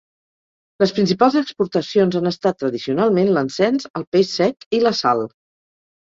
Les principals exportacions han estat tradicionalment l'encens, el peix sec i la sal.